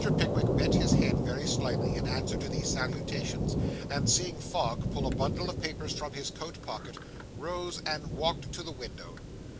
Pickwick bent his head very slightly, in answer to these salutations, and, seeing Fogg pull a bundle of papers from his coat pocket, rose and walked to the window.